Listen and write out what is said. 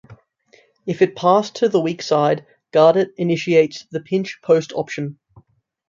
If it is passed to the weak-side guard it initiates the "pinch post" option.